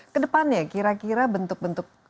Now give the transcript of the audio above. kedepannya kira kira bentuk bentuk